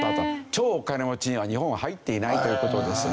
超お金持ちには日本は入っていないという事ですね。